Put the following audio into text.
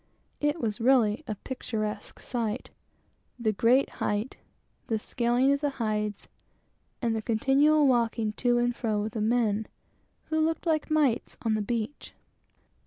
It was really a picturesque sight: the great height; the scaling of the hides; and the continual walking to and fro of the men, who looked like mites, on the beach!